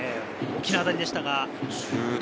大きな当たりでした。